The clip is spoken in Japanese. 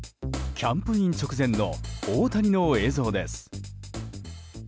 キャンプイン直前の大谷の映像です。